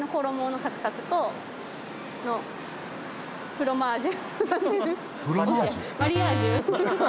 フロマージュ？